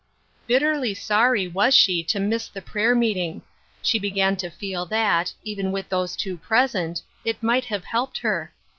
Bitterly sorry was she to miss the prayer meeting. She began to feel that, even with those two present, it might have helped her.